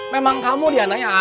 memang kamu diana ya